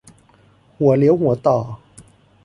หัวเลี้ยวหัวต่อ